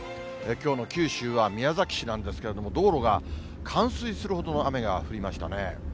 きょうの九州は宮崎市なんですけれども、道路が冠水するほどの雨が降りましたね。